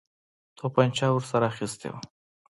توپنچه ورسره اخیستې وه.